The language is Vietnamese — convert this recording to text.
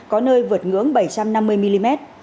có nơi vượt ngưỡng bảy trăm năm mươi mm